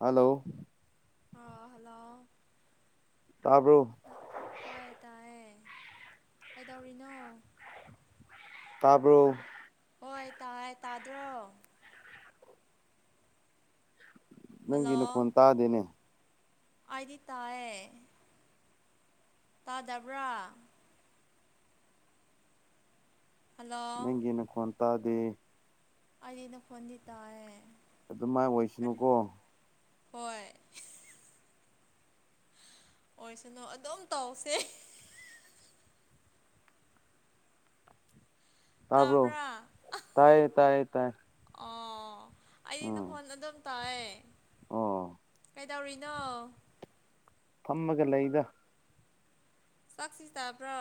Hello ꯑꯣ hello ꯇꯥꯔꯕꯣ ꯍꯣꯏ ꯇꯥꯏꯑꯦ ꯀꯩꯗꯧꯔꯤꯅꯣ ꯇꯥꯔꯕ꯭ꯔꯣ ꯍꯣꯏ ꯇꯥꯏ ꯇꯥꯗ꯭ꯔꯣ ꯅꯪꯒꯤ ꯍꯜꯂꯣ ꯅꯈꯣꯟ ꯇꯥꯗꯦꯅꯦ ꯑꯗꯤ ꯇꯥꯏꯑꯌꯦ ꯇꯥꯗꯕ꯭ꯔꯥ ꯍꯜꯂꯣ ꯅꯪꯒꯤ ꯅ ꯈꯣꯟ ꯇꯥꯗꯦ ꯑꯅ ꯈꯅꯤ ꯇꯔꯦ ꯑꯗꯨꯃꯥꯏꯅ ꯑꯣꯏꯁꯅꯨꯀꯣ ꯍꯣꯏ ꯑꯣꯏꯁꯅꯨ ꯑꯗꯨꯝ ꯇꯧꯁꯦ ꯇꯥꯕ꯭ꯔꯣ ꯇꯥꯕ꯭ꯔꯥ ꯇꯥꯏꯌꯦ ꯇꯥꯏꯌꯦ ꯇꯥꯏ ꯑꯣ ꯑꯩ ꯎꯝ ꯅꯈꯣꯟ ꯑꯗꯨꯝ ꯇꯥꯌꯦ [unintelligible] ꯀꯩꯗꯧꯔꯤꯅꯣ ꯐꯝꯃꯒ ꯂꯩꯗ ꯆꯁꯤꯤꯇꯥꯕ꯭ꯔ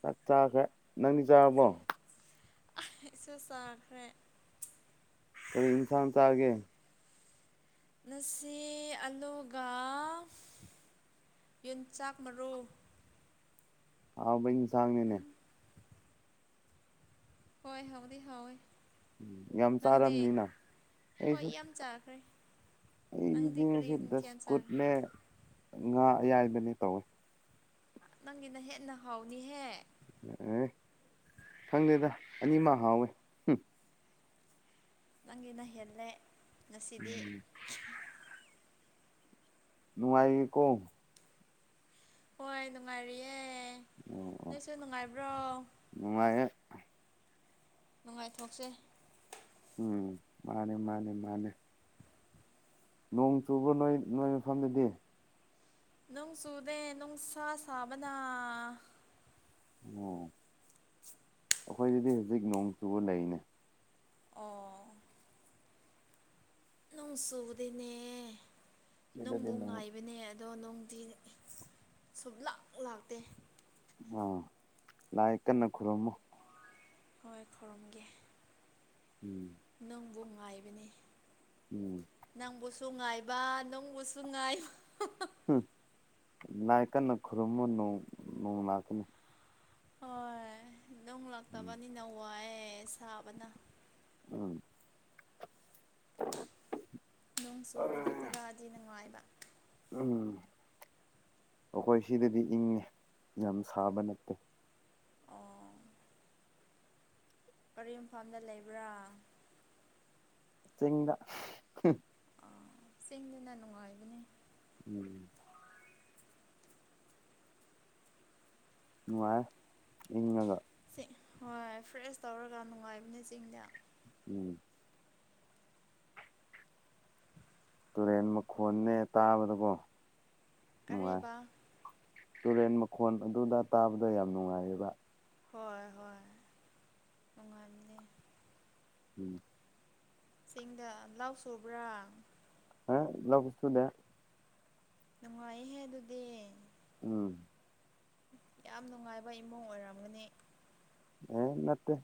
ꯆꯥꯛ ꯆꯥꯈ꯭ꯔꯦ ꯅꯪꯗꯤ ꯆꯥꯔꯕꯣ ꯆꯦ ꯆꯥꯈ꯭ꯔꯦ ꯀꯔꯤ ꯏꯟꯁꯥꯟ ꯆꯑꯒꯦ ꯉꯁꯤ ꯑꯂꯨꯒ ꯌꯟꯆꯥꯛ ꯃꯔꯨ ꯑꯥꯎ ꯕꯅꯤ ꯁꯥꯡꯅꯤꯅꯦ ꯍꯣꯏ ꯍꯥꯎꯗꯤ ꯍꯋꯣꯏ ꯎꯝ ꯌꯥꯝ ꯆꯥꯔꯝꯅꯤꯅ ꯍꯣꯏ ꯑꯩꯁꯨ ꯌꯥꯝ ꯆꯥꯈ꯭ꯔꯦ ꯅꯪꯗꯤ ꯀꯔꯤ ꯑꯩꯒꯤꯗꯤꯁꯤ ꯗꯁ ꯃꯊꯦꯜ ꯆꯥꯔꯦ ꯀꯨꯠꯅꯦ ꯉꯥ ꯑꯌꯥꯏꯕꯅꯦ ꯇꯧꯋꯦ ꯅꯪꯒꯤꯅ ꯍꯦꯟꯅ ꯍꯥꯎꯅꯤꯍꯦ ꯑꯦ ꯈꯪꯗꯦꯗ ꯑꯅꯤ ꯑꯃ ꯍꯥꯎꯋꯤ ꯅꯪꯒꯤꯅ ꯍꯦꯜꯂꯦ ꯉꯁꯤꯗꯤ ꯎꯝ ꯅꯨꯡꯉꯥꯏꯌꯦꯀꯣ ꯍꯣꯏ ꯅꯨꯡꯉꯥꯏꯔꯤꯌꯦ ꯅꯣꯏꯁꯨ ꯅꯨꯡꯉꯥꯏꯕ꯭ꯔꯣ ꯅꯨꯡꯉꯥꯏ ꯅꯨꯡꯉꯥꯏꯊꯣꯛꯆꯩ ꯎꯝ ꯃꯥꯅꯦ ꯃꯥꯅꯦ ꯃꯥꯅꯦ ꯅꯣꯡ ꯆꯨꯕ ꯅꯣꯏ ꯅꯣꯏ ꯃꯐꯝꯗꯗꯤ ꯅꯨꯡ ꯆꯨꯗꯦ ꯅꯨꯡ ꯁꯥ ꯁꯥꯕꯅ ꯑꯣ ꯑꯩꯈꯣꯏꯗꯗꯤ ꯍꯧꯖꯤꯛ ꯅꯣꯡ ꯆꯨꯕ ꯂꯩꯅꯦ ꯑꯣ ꯅꯨꯡ ꯆꯨꯕꯗꯦꯅꯦ ꯁꯤꯗꯗꯤ ꯅꯨꯡꯕꯨ ꯅꯣꯡ ꯉꯥꯏꯕꯅꯦ ꯑꯗꯣ ꯅꯨꯡꯗꯤ ꯁꯨꯝ ꯂꯥꯛ ꯂꯥꯛꯇꯦ ꯑꯥ ꯂꯥꯛꯑ ꯀꯟꯅ ꯈꯨꯔꯨꯝꯃꯨ ꯍꯣꯏ ꯈꯨꯔꯨꯝꯒꯦ ꯎꯝ ꯅꯪꯕꯨ ꯉꯥꯏꯕꯅꯤ ꯎꯝ ꯅꯪꯕꯨ ꯁꯨꯡꯉꯥꯏꯕ ꯅꯣꯡꯕꯨ ꯁꯨꯡꯉꯥꯏꯕ ꯅꯥ ꯀꯟꯅ ꯈꯨꯔꯨꯝꯃ ꯅꯣꯡ ꯅꯣꯡ ꯂꯥꯛꯀꯅꯤ ꯍꯣꯏ ꯅꯨꯡ ꯎꯝ ꯂꯥꯛꯇꯕꯅꯤꯅ ꯋꯥꯏ ꯁꯥꯕꯅ ꯎꯝ ꯅꯣꯡ ꯆꯨꯔꯤꯗꯤ ꯈꯔꯗꯤ ꯅꯨꯡꯉꯥꯏꯕ ꯎꯝ ꯑꯩꯈꯣꯏ ꯁꯤꯗꯗꯤ ꯏꯪꯉꯦ ꯌꯥꯝ ꯁꯥꯕ ꯅꯠꯇꯦ ꯑꯣ ꯀꯔꯤꯨꯝꯐꯝꯗ ꯂꯩꯕ꯭ꯔꯥ ꯆꯤꯡꯗ ꯑꯥ ꯆꯦꯡꯗꯨꯅ ꯅꯨꯡꯉꯥꯏꯕꯅꯦ ꯎꯝ ꯎꯅꯨꯡꯥꯏ ꯏꯉꯒ ꯁꯤ ꯍꯣꯏ ꯐ꯭ꯔꯦꯁ ꯇꯧꯔꯒ ꯅꯨꯡꯉꯥꯏꯕꯅꯦ ꯆꯤꯡꯗ ꯎꯝ ꯇꯨꯔꯦꯟ ꯃꯈꯣꯟꯅꯦ ꯇꯥꯕꯗꯀꯣ ꯅꯨꯡꯉꯥꯏ ꯀꯔꯤꯕ ꯇꯨꯔꯦꯟ ꯃꯈꯣꯟ ꯑꯗꯨꯗ ꯇꯥꯕꯗ ꯌꯥꯝ ꯅꯨꯡꯉꯥꯏꯌꯦꯕ ꯍꯣꯏ ꯍꯣꯏ ꯅꯨꯡꯉꯥꯏꯕꯅꯦ ꯎꯝ ꯆꯤꯡꯗ ꯂꯥꯎ ꯁꯨꯕ꯭ꯔꯥ ꯍꯦ ꯏꯂꯕ ꯁꯨ ꯗ ꯅꯨꯡꯉꯥꯏꯍꯦ ꯑꯗꯨꯗꯤ ꯎꯝ ꯌꯥꯝ ꯅꯨꯡꯉꯥꯏꯕ ꯏꯃꯨꯡ ꯑꯣꯏꯔꯝꯒꯅꯤ [unintelligible] ꯅꯠꯇꯦ꯫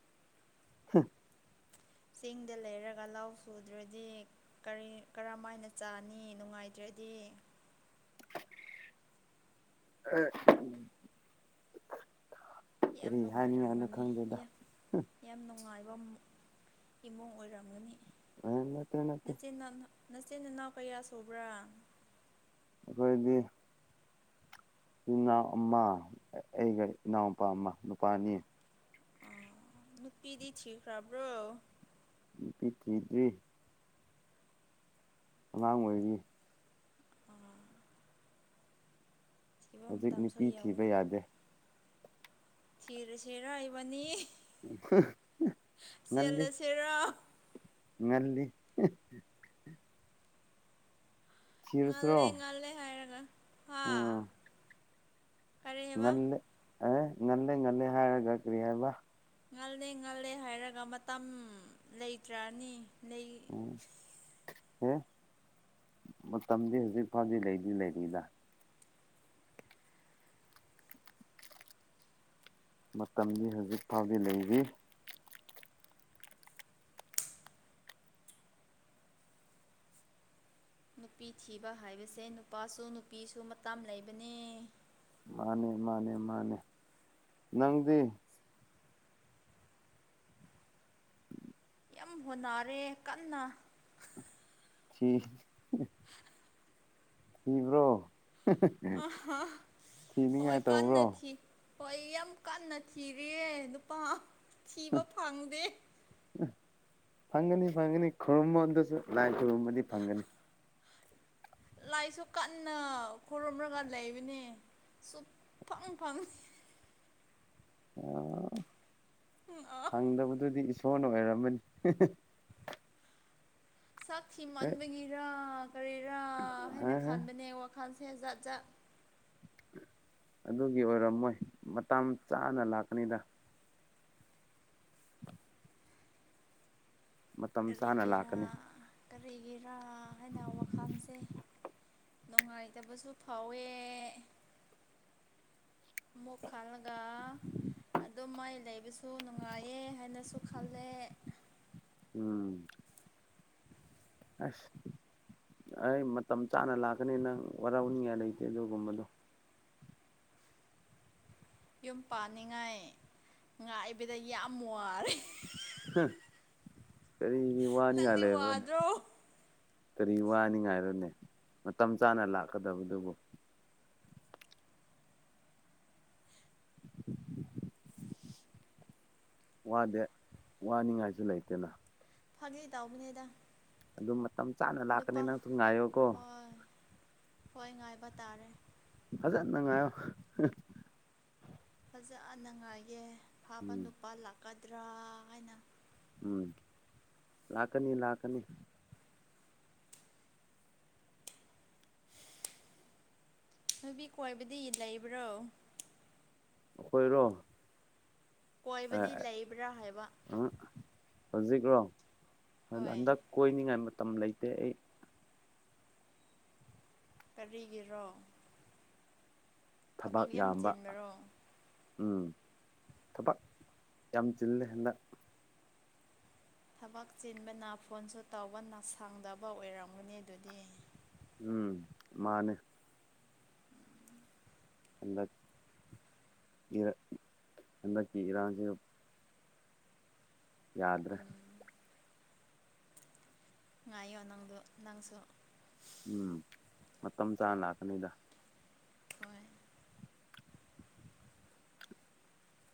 ꯆꯤꯡꯗ ꯂꯩꯔꯒ ꯂꯧ ꯁꯨꯗ꯭ꯔꯗꯤ꯫ ꯀꯔꯤ ꯀꯔꯝꯃꯥꯏꯅ ꯆꯥꯅꯤ ꯅꯨꯡꯉꯥꯏꯇ꯭ꯔꯗꯤ꯫ ꯀꯔꯤ ꯌꯥꯝ ꯍꯥꯏꯅꯤꯉꯥꯏꯅꯣ ꯅꯨꯡꯉꯥꯏꯔꯝꯒꯅꯤ ꯈꯪꯗꯦꯗ꯫ ꯌꯥꯝ ꯌꯥꯝ ꯅꯨꯡꯉꯥꯏꯕ ꯏꯃꯨꯡ ꯑꯣꯏꯔꯝꯒꯅꯤ ꯑꯦ ꯅꯠꯇꯦ ꯅꯠꯇꯦ ꯅꯆꯤꯟ [inaudible] ꯅꯆꯤꯟ ꯅꯅꯥꯎ ꯀꯌꯥ ꯁꯨꯕ꯭ꯔꯥ? ꯑꯩꯈꯣꯏꯗꯤ ꯏꯆꯤꯟ ꯏꯅꯥꯎ ꯑꯃ ꯑꯩꯒ ꯏꯅꯥꯎꯄꯥ ꯑꯃ ꯅꯨꯄꯥ ꯑꯅꯤ꯫ ꯑ ꯅꯨꯄꯤꯗꯤ ꯊꯤꯈ꯭ꯔꯕ꯭ꯔꯣ? ꯅꯨꯄꯤ ꯊꯤꯗ꯭ꯔꯤ? ꯑꯉꯥꯡ ꯑꯣꯏꯔꯤ꯫ ꯑ ꯍꯧꯖꯤꯛ ꯃꯇꯝꯁꯨ ꯅꯨꯄꯤ ꯊꯤꯕ ꯌꯧꯒꯅꯤ ꯌꯥꯗꯦ꯫ ꯊꯤꯔꯁꯤꯔ ꯏꯕꯥꯅꯤ ꯉꯜꯂꯤ꯫ [unintelligible] ꯉꯜꯂꯤ꯫ ꯉꯥꯜꯂꯦ ꯉꯥꯜꯂꯦ ꯍꯥꯏꯔꯒ ꯍꯥ ꯑ ꯀꯔꯤ ꯍꯥꯏꯕ ꯉꯜꯂꯦ ꯑꯦ-ꯉꯜꯂꯦ-ꯉꯜꯂꯦ ꯍꯥꯏꯔꯒ ꯀꯔꯤ ꯍꯥꯏꯕ? ꯉꯜꯂꯦ-ꯉꯥꯜꯂꯦ ꯍꯥꯏꯔꯒ ꯃꯇꯝ ꯂꯩꯇ꯭ꯔꯅꯤ ꯂꯩ ꯎꯝ ꯑꯦ ꯃꯇꯝꯗꯤ ꯍꯧꯖꯤꯛ ꯐꯥꯎꯗꯤ ꯂꯩꯗꯤ-ꯂꯩꯔꯤꯗ꯫ ꯃꯇꯝꯗꯤ ꯍꯧꯖꯤꯛ ꯐꯥꯎꯗꯤ ꯂꯩꯔꯤ꯫ ꯅꯨꯄꯤ ꯊꯤꯕ ꯍꯥꯏꯕꯁꯦ ꯅꯨꯄꯥꯁꯨ ꯅꯨꯄꯤꯁꯨ ꯃꯇꯝ ꯂꯩꯕꯅꯦ꯫ ꯃꯥꯅꯦ-ꯃꯥꯅꯦ-ꯃꯥꯅꯦ ꯅꯪꯗꯤ? [inaudible] ꯌꯥꯝ ꯍꯣꯠꯅꯔꯦ ꯀꯟꯅ꯫ ꯁꯤ꯫ ꯊꯤꯈ꯭ꯔꯣ ꯑꯍꯥ ꯍꯣꯏ ꯊꯤꯅꯤꯡꯉꯥꯏ ꯀꯟꯅ ꯇꯧꯉ꯭ꯔꯣ꯫ ꯊꯤ ꯍꯣꯏ ꯑꯩ ꯌꯥꯝ ꯀꯟꯅ ꯊꯤꯔꯑꯦ ꯅꯨꯄꯥ ꯊꯤꯕ ꯐꯪꯗꯦ꯫ ꯐꯪꯒꯅꯤ ꯐꯪꯒꯅꯤ ꯈꯨꯔꯨꯝꯃꯣ ꯑꯗꯨꯁꯨ ꯂꯥꯏ ꯈꯨꯔꯨꯝꯕꯗꯤ ꯐꯪꯒꯅꯤ꯫ ꯂꯥꯏꯁꯨ ꯀꯟꯅ ꯈꯨꯔꯨꯝꯃꯒ ꯂꯩꯕꯅꯦ꯫ ꯁꯨꯞꯐꯪ-ꯐꯪ ꯑꯣ ꯑ ꯐꯪꯗꯕꯗꯨꯗꯤ ꯏꯁꯣꯔꯅ ꯑꯣꯏꯔꯝꯃꯅꯤ꯫ ꯁꯛ ꯊꯤꯃꯟꯕꯒꯤꯔ ꯀꯔꯤꯔꯥ ꯍꯥꯏꯅ ꯈꯥꯟꯕꯅꯦ ꯋꯥꯛ ꯈꯥꯟꯁꯦ ꯖꯥꯠ-ꯖꯥꯠ ꯑꯗꯨꯒꯤ ꯑꯣꯏꯔꯝꯃꯣꯏ ꯃꯇꯝ ꯆꯥꯅ ꯂꯥꯛꯀꯅꯤꯗ꯫ [inaudible] ꯃꯇꯝ ꯆꯥꯅ ꯂꯥꯛꯀꯅꯤ ꯀꯔꯤꯒꯤꯔ-ꯀꯔꯤꯒꯤꯔ ꯍꯥꯏꯅ ꯋꯥꯈꯜꯁꯦ ꯅꯨꯡꯉꯥꯏꯇꯕꯁꯨ ꯐꯥꯎꯋꯦ ꯃꯨꯛ ꯈꯜꯂꯒ ꯑꯗꯨꯃꯥꯏ ꯂꯩꯕꯁꯨ ꯅꯨꯡꯉꯥꯏꯌꯦ ꯍꯥꯏꯅꯁꯨ ꯈꯜꯂꯦ꯫ ꯎꯝ ꯑꯁ ꯑꯩ ꯃꯇꯝ ꯆꯥꯅ ꯂꯥꯛꯀꯅꯤ ꯅꯪ ꯋꯥꯔꯧ ꯅꯤꯡꯉꯥꯏ ꯂꯩꯇꯦ ꯑꯗꯨꯒꯨꯝꯕꯗꯣ꯫ ꯌꯨꯝ ꯄꯥꯟꯅꯤꯡꯉꯥꯏ ꯉꯥꯏꯕꯗ ꯌꯥꯝ ꯋꯥꯔꯦ꯫ ꯍꯝ ꯀꯔꯤꯒꯤ ꯋꯥꯅꯤꯉꯥꯏ ꯅꯪꯗꯤ ꯂꯩꯕ꯭ꯔꯅꯦ? ꯋꯥꯗ꯭ꯔꯣ ꯀꯔꯤ ꯋꯥꯅꯤꯡꯉꯥꯏꯔꯅꯦ ꯃꯇꯝ ꯆꯥꯅ ꯂꯥꯛꯀꯗꯕꯗꯨꯕꯨ꯫ [inaudible] ꯋꯥꯗꯦ ꯋꯥꯅꯤꯡꯉꯥꯏꯁꯨ ꯂꯩꯇꯦꯅ꯫ ꯐꯉꯤ ꯇꯧꯕꯅꯤꯗ꯫ ꯑꯗꯨ ꯃꯇꯝ ꯆꯥꯅ ꯂꯥꯛꯀꯅꯤ ꯅꯨꯄꯥ ꯅꯪꯁꯨ ꯉꯥꯏꯌꯣꯀꯣ꯫ ꯍꯣꯏꯏ ꯉꯥꯏꯕ ꯇꯥꯔꯦ꯫ ꯑꯗꯨꯟꯅꯉꯣ꯫ ꯐꯖꯅꯉꯥꯏꯒꯤ ꯐꯥꯕ ꯎꯝ ꯅꯨꯄꯥ ꯂꯥꯛꯀꯗ꯭ꯔꯥ ꯍꯥꯏꯅ꯫ ꯎꯝ ꯂꯥꯛꯀꯅꯤ ꯂꯥꯛꯀꯅꯤ꯫ ꯅꯨꯄꯤ ꯀꯣꯏꯕꯗꯤ ꯂꯩꯕ꯭ꯔꯣ꯫ ꯑꯩꯈꯣꯏꯔꯣ꯫ ꯀꯣꯏꯕꯗꯤ ꯂꯩꯕ꯭ꯔꯥ ꯍꯥꯏꯕ꯫ ꯍꯧꯖꯤꯛꯔꯣ ꯍꯣꯏ ꯍꯟꯗꯛ ꯀꯣꯏꯅꯤꯡꯉꯥꯏ ꯃꯇꯝ ꯂꯩꯇꯦ ꯑꯩ꯫ ꯀꯔꯤꯒꯤꯔꯣ꯫ ꯊꯕꯛ ꯌꯥꯝ ꯌꯥꯝꯕ꯫ ꯆꯤꯟꯕꯔꯣ ꯎꯝ ꯊꯕꯛ ꯌꯥꯝ ꯆꯤꯜꯂꯦ ꯍꯟꯗꯛ꯫ ꯊꯕꯛ ꯆꯤꯟꯕꯅ ꯐꯣꯟꯁꯨ ꯇꯧꯕ ꯁꯥꯡꯗꯕ ꯑꯣꯏꯔꯝꯒꯅꯤ ꯑꯗꯨꯗꯤ꯫ ꯎꯝ ꯃꯥꯅꯦ꯫ ꯍ ꯏꯔ ꯍꯟꯀꯤ ꯏꯔꯥꯡꯁꯨꯦ꯫ ꯌꯥꯗ꯭ꯔꯦ꯫ ꯎꯝ ꯉꯥꯏꯌꯣ ꯅꯪꯗꯣ ꯅꯪꯁꯨ꯫ ꯎꯝ ꯃꯇꯝ ꯆꯥꯅ ꯂꯥꯛꯀꯅꯤꯗ꯫ ꯍꯣꯏ꯫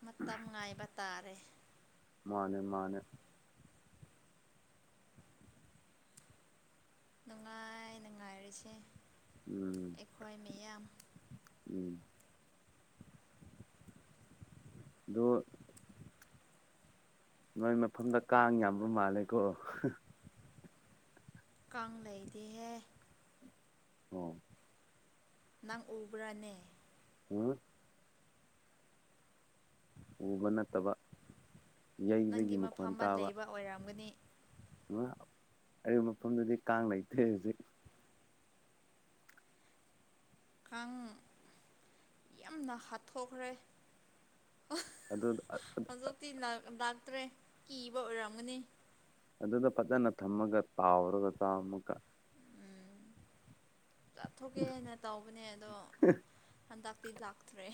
ꯃꯇꯝ ꯉꯥꯏꯕ ꯇꯥꯔꯦ꯫ ꯃꯥꯅꯦ ꯃꯥꯅꯦ꯫ ꯅꯨꯡꯉꯥꯏ ꯅꯨꯡꯉꯥꯏꯔꯤꯁꯦ꯫ ꯎꯝ ꯎꯝ꯫ ꯑꯗꯣ ꯅꯣꯏ ꯃꯐꯝꯗ ꯀꯥꯡ ꯌꯥꯝꯕ ꯃꯥꯜꯂꯦꯀꯣ ꯀꯥꯡ ꯂꯩꯗꯤꯍꯦ ꯎꯝ ꯅꯪ ꯎꯕ꯭ꯔꯥꯅꯦ ꯎꯝ ꯎꯕ ꯅꯠꯇꯕ ꯌꯩꯕꯒꯤ ꯅꯪꯒꯤ ꯃꯈꯣꯟ ꯃꯐꯝꯗ ꯇꯥꯕ ꯂꯩꯕ ꯑꯣꯏꯔꯝꯒꯅꯤ ꯑꯔꯤꯕ ꯃꯐꯝꯗꯨꯗꯤ ꯀꯥꯡ ꯂꯩꯇꯦ ꯍꯧꯖꯤꯛ ꯀꯥꯡꯥꯡ ꯌꯥꯝꯅ ꯍꯥꯊꯣꯛꯈ꯭ꯔꯦ ꯑꯗꯨ ꯍꯧꯖꯤꯛꯇꯤ ꯂꯥꯛꯇ꯭ꯔꯦ ꯀꯤꯕ ꯑꯣꯏꯔꯝꯒꯅꯤ ꯑꯗꯨꯗ ꯐꯖꯅ ꯊꯝꯃꯒ ꯇꯥꯎꯔꯒ ꯆꯥ ꯑꯃꯨꯒ ꯀꯥꯞꯊꯣꯛꯀꯦ ꯍꯥꯏꯅ ꯇꯧꯕꯅꯦ ꯑꯗꯣ ꯍꯟꯗꯛꯇꯤ ꯂꯥꯛꯇ꯭ꯔꯦ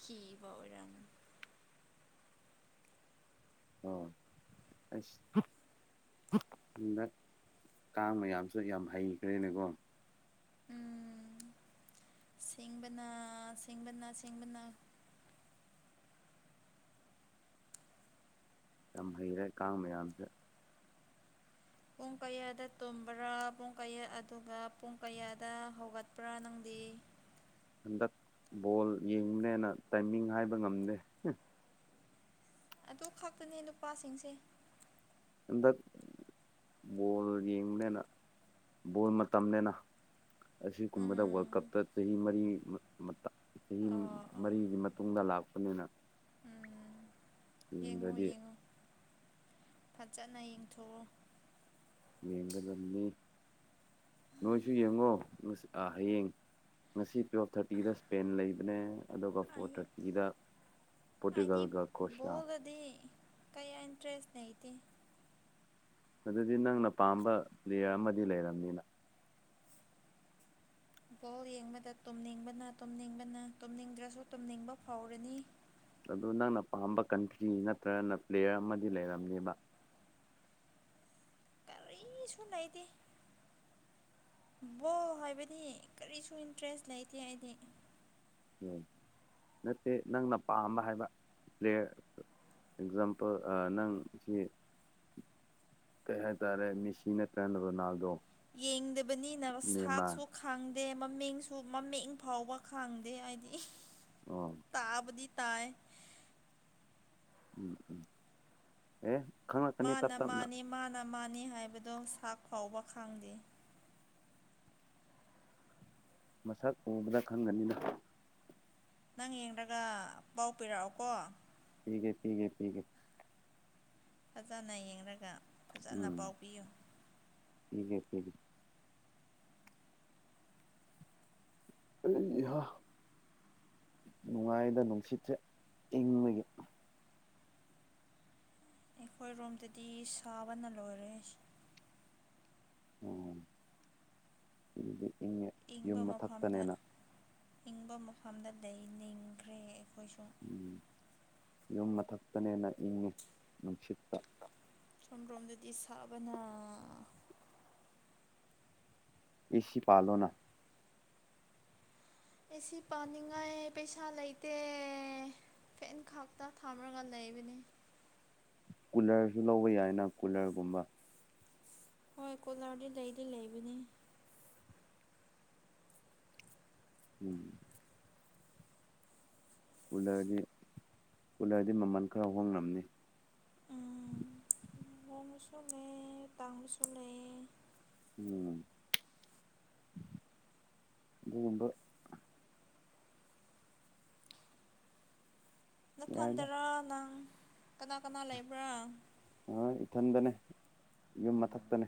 ꯈꯤꯕ ꯑꯣꯏꯔꯝ ꯑꯣ ꯑ ꯗ ꯀꯥꯡ ꯃꯌꯥꯝꯁꯨ ꯌꯥꯝ ꯍꯩꯈ꯭ꯔꯦꯅꯦꯀꯣ ꯎꯝ ꯁꯤꯡꯕꯅꯥ ꯁꯤꯡꯕꯅꯥ ꯁꯤꯡꯕꯅꯥ ꯌꯥꯝ ꯍꯩꯔꯦ ꯀꯥꯡ ꯃꯌꯥꯝꯁꯦ ꯄꯨꯡ ꯀꯌꯥꯗ ꯇꯨꯝꯕ꯭ꯔꯥ ꯄꯨꯡ ꯀꯌꯥ ꯑꯗꯨꯒ ꯄꯨꯡ ꯀꯌꯥꯗ ꯍꯧꯒꯠꯄ꯭ꯔꯥ ꯅꯪꯗꯤ ꯍꯟꯗꯛ ꯕꯣꯜ ꯌꯦꯡꯅꯦꯅ ꯇꯥꯏꯃꯤꯡ ꯍꯥꯏꯕ ꯉꯝꯗꯦ ꯑꯗꯨ ꯈꯛꯇꯅꯦ ꯅꯨꯄꯥꯁꯤꯡꯁꯦ ꯍꯟꯗꯛ ꯕꯣꯜ ꯌꯦꯡꯕꯅꯤꯅ ꯕꯣꯜ ꯃꯇꯝꯅꯤꯅꯦꯅ ꯑꯁꯤꯒꯨꯝꯕꯗ ꯋꯥꯔꯜ ꯎꯝ ꯀꯞꯇ ꯆꯍꯤ ꯃꯔꯤ ꯆꯍꯤ ꯑꯣ ꯑꯣ ꯃꯔꯤꯒꯤ ꯃꯇꯨꯡꯗ ꯂꯥꯛꯄ ꯃꯅꯤꯅꯥ ꯎꯝ ꯌꯦꯡꯉꯣ ꯌꯦꯡꯉꯣ ꯐꯖꯅ ꯌꯦꯡꯊꯣꯛꯑꯣ ꯌꯦꯡꯒꯗꯕꯅꯤ ꯅꯣꯏꯁꯨ ꯌꯦꯡꯉꯣ ꯑ ꯍꯌꯦꯡ ꯉꯁꯤ ꯇꯨꯌꯦꯦꯜꯞ ꯊꯥꯔꯇꯤꯗ ꯁ꯭ꯄꯦꯟ ꯂꯩꯕꯅꯦ ꯑꯗꯨꯒ ꯐꯣꯔ ꯑꯩ ꯊꯥꯔꯇꯤꯗ ꯄꯣꯔꯇꯨꯒꯜꯒ ꯀ꯭ꯔꯣꯁꯤꯌꯥ ꯗꯤ ꯀꯩ ꯏꯟꯇ꯭ꯔꯦꯁ ꯅꯗꯤ ꯑꯗꯨꯗꯤ ꯅꯪꯅ ꯄꯥꯝꯕ ꯄ꯭ꯂꯦꯌꯔ ꯑꯃꯗꯤ ꯂꯩꯔꯕꯝꯅꯤꯅ ꯐꯨꯠꯕꯣꯜ ꯌꯦꯡꯕꯗ ꯇꯨꯝꯅꯤꯡꯕꯅ ꯇꯨꯝꯅꯤꯡꯕꯅ ꯇꯨꯝꯅꯤꯡꯗ꯭ꯔꯁꯨ ꯇꯨꯝꯅꯤꯡꯕ ꯐꯥꯎꯔꯅꯤ ꯑꯗꯨ ꯅꯪꯅ ꯄꯥꯝꯕ ꯀꯟꯇ꯭ꯔꯤ ꯅꯠꯇ꯭ꯔꯒꯅ ꯄ꯭ꯂꯦꯌꯔ ꯑꯃꯗꯤ ꯂꯩꯔꯝꯅꯦꯕ ꯀꯔꯤꯁꯨꯨ ꯂꯩꯏꯗꯤꯦ ꯐꯨꯠ ꯕꯣꯜ ꯍꯥꯏꯕꯗꯤ ꯀꯔꯤꯁꯨ ꯏꯟꯇꯔꯦꯁ ꯂꯩꯇꯦ ꯑꯩꯗꯤ ꯎ ꯅꯠꯇꯦ ꯅꯪꯅ ꯄꯥꯝꯕ ꯍꯥꯏꯕ ꯄ꯭ꯂꯦꯌꯔ ꯑꯦꯛꯖꯥꯝꯄꯜ ꯅꯪ ꯁꯤ ꯀꯩ ꯍꯥꯏꯇꯥꯔꯦ ꯃꯤꯦꯁꯤꯅ ꯀꯦꯟ ꯔꯣꯅꯥꯜꯗꯣ ꯌꯦꯡꯗꯕꯅꯤ ꯅꯦꯃꯥꯔ ꯅꯔꯁꯍꯥꯛꯁꯨ ꯈꯥꯡꯗꯦ ꯃꯃꯤꯡꯁꯨ ꯃꯃꯤꯡ ꯐꯥꯎꯕ ꯈꯥꯡꯗꯦ ꯍꯥꯏꯗꯤ ꯎꯝ ꯇꯥꯕꯗꯤ ꯇꯏ ꯎꯝ ꯎꯝ ꯑꯦ ꯈꯪ ꯃꯥꯅ ꯃꯥꯅꯤ ꯃꯥꯅ ꯃꯥꯅꯤ ꯍꯥꯏꯕꯗꯨ ꯁꯥꯛ ꯐꯥꯎꯕ ꯈꯪꯗꯦ ꯃꯁꯛ ꯎꯕꯗ ꯈꯪꯒꯅꯤꯅ ꯅꯪ ꯌꯦꯡꯒ ꯄꯥꯎ ꯄꯤꯔꯛꯑꯣꯀꯣ ꯊꯀꯦ ꯊꯦ ꯊꯀꯦ ꯐꯖꯅ ꯌꯦꯡꯔꯒ ꯐꯖꯅ ꯎꯝ ꯄꯥꯎ ꯄꯤꯌꯨ ꯄꯤꯒꯦ ꯄꯤꯒꯦ ꯑꯩ ꯏꯍꯥ ꯅꯨꯡꯉꯥꯏꯗ ꯅꯨꯡꯁꯤꯠꯁꯦ ꯏꯪꯕꯒꯤ ꯑꯩꯈꯣꯏ ꯔꯣꯝꯗꯗꯤ ꯁꯥꯕꯅ ꯂꯣꯏꯔꯦ [unintelligible] ꯏꯪꯉꯦ ꯌꯨꯝ ꯏꯪꯕ ꯃꯐꯝꯗ ꯃꯊꯛꯇꯅꯤꯅ ꯏꯪꯕ ꯃꯐꯝꯗ ꯂꯩ ꯅꯤꯡꯈ꯭ꯔꯦ ꯑꯩꯈꯣꯏꯁꯨ ꯎꯝ ꯌꯨꯝ ꯃꯊꯛꯇꯅꯦꯅ ꯏꯪꯉꯤ ꯅꯨꯡꯁꯤꯠꯇ ꯁꯣꯝ ꯔꯣꯝꯗꯗꯤ ꯁꯥꯕꯅ ꯑꯦꯁꯤ ꯄꯥꯜꯂꯣꯅ ꯑꯦꯁꯤ ꯄꯥꯟꯅꯤꯡꯉꯥꯏ ꯄꯩꯁꯥ ꯂꯩꯇꯦ ꯐꯦꯟ ꯈꯥꯛꯇ ꯊꯥꯔꯒ ꯂꯩꯕꯅꯤ ꯀꯨꯂꯔꯁꯨ ꯂꯧꯕ ꯌꯥꯏꯅ ꯀꯨꯂꯔꯒꯨꯝꯕ ꯍꯣꯏ ꯀꯨꯂꯔꯗꯤ ꯂꯩꯗꯤ ꯂꯩꯕꯅꯤ ꯎꯝ ꯀꯨꯂꯔꯗꯤ ꯀꯨꯂꯔꯗꯤ ꯃꯃꯜ ꯈꯔ ꯍꯣꯡꯂꯝꯅꯤ ꯎꯝ ꯍꯣꯡꯕꯁꯨ ꯂꯩ ꯇꯥꯡꯕꯁꯨ ꯂꯩ ꯎꯝ ꯑꯗꯨꯒꯨꯝꯕ ꯌꯥꯏꯗ ꯅꯊꯟꯇꯥꯔꯥ ꯅꯪ ꯀꯅꯥ ꯀꯅꯥ ꯂꯩꯕ꯭ꯔꯥ ꯑ ꯏꯊꯟꯇꯅꯦ ꯌꯨꯝ ꯃꯊꯛꯇꯅꯦ